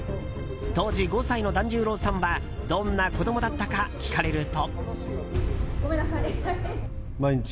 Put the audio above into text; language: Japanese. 当時５歳の團十郎さんはどんな子供だったか聞かれると。